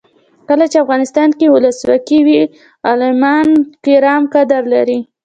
کله چې افغانستان کې ولسواکي وي علما کرام قدر لري.